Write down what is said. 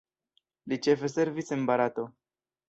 Li ĉefe servis en Barato.